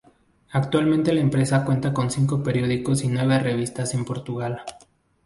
Actualmente la empresa cuenta con cinco periódicos y nueve revistas en Portugal.